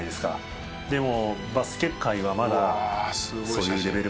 でも。